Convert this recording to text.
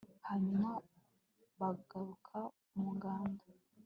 hanyuma bagaruka mu ngando